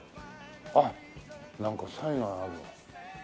あっなんかサイがあるわ。